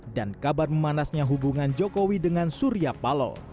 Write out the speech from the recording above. dan kabar memanasnya hubungan jokowi dengan surya paloh